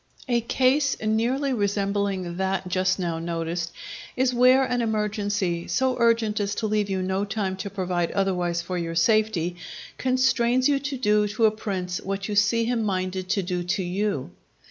A case nearly resembling that just now noticed, is where an emergency, so urgent as to leave you no time to provide otherwise for your safety, constrains you to do to a prince what you see him minded to do to you.